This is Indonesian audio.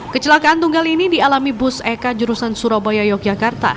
kecelakaan tunggal ini dialami bus eka jurusan surabaya yogyakarta